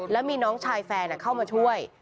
แล้วมีน้องชายแฟนเข้ามาช่วย